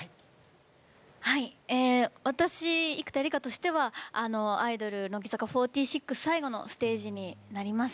私、生田絵梨花としてはアイドル、乃木坂４６最後のステージになります。